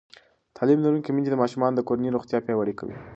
تعلیم لرونکې میندې د ماشومانو د کورنۍ روغتیا پیاوړې کوي.